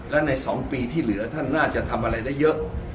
และใน๒ปีที่เหลือท่านน่าจะทำอะไรได้เยอะ